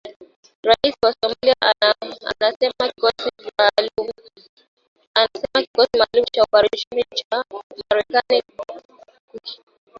Rais wa Somalia anasema kikosi maalum cha operesheni cha Marekani kitakuwa tena nchini Somalia kusaidia katika mapambano dhidi ya kundi la kigaidi la al-Shabaab